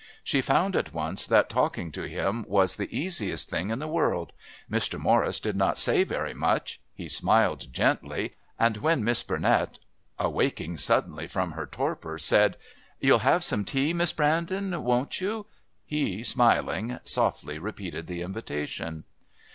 She found at once that talking to him was the easiest thing in the world. Mr. Morris did not say very much; he smiled gently, and when Miss Burnett, awaking suddenly from her torpor, said, "You'll have some tea, Miss Brandon, won't you?" he, smiling, softly repeated the invitation.